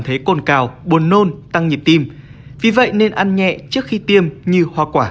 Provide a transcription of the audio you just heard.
thấy cồn cào buồn nôn tăng nhịp tim vì vậy nên ăn nhẹ trước khi tiêm như hoa quả